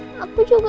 mama sedih kan